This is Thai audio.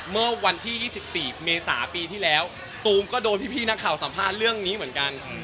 เมื่อวันที่๒๔เมษาปีที่แล้วตูมก็โดนพี่นักข่าวสัมภาษณ์เรื่องนี้เหมือนกัน